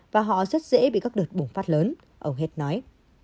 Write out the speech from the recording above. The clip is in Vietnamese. và họ rất dễ bị các đợt bùng phát lớn ông hess nói